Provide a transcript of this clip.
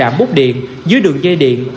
không đứng gần trạm bút điện dưới đường dây điện